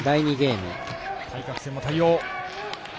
対角線も対応。